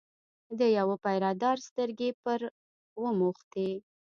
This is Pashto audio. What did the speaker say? د یوه پیره دار سترګې پر وموښتې.